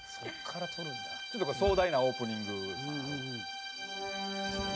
「ちょっと壮大なオープニング」